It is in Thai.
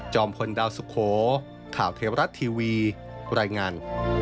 พลดาวสุโขข่าวเทวรัฐทีวีรายงาน